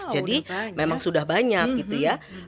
jadi memang sudah banyak gitu ya